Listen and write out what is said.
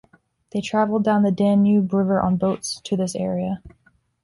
They traveled down the Danube River on boats to this area.